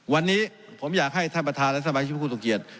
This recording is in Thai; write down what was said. วันนี้ผมอยากให้ท่านประธานและสมาชิกคุณสมเกียจ